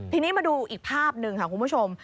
ทีนี้มาดูอีกภาพหนึ่งค่ะคุณผู้ชม